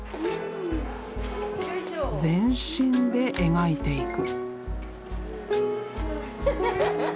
全身で描いていく。